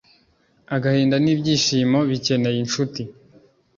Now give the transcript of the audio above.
agahinda n'ibyishimo bikeneye inshuti